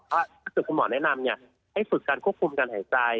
ถ้าเกิดคุณหมอแนะนำให้ฝึกการควบคุมการหายใจ